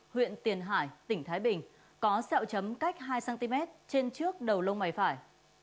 huyện tiền hải tỉnh thái bình có xeo chấm cách hai cm trên trước đầu lông mày phải